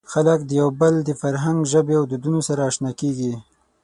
خلک د یو بل د فرهنګ، ژبې او دودونو سره اشنا کېږي.